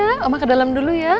saya ke dalam dulu ya